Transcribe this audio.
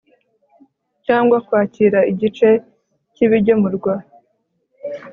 cyangwa kwakira igice cy ibigemurwa